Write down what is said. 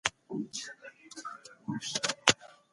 مشران د نړیوال عدالت لپاره څه وړاندیز کوي؟